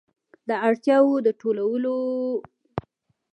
دا اړتیاوې د ټولو وګړو دي.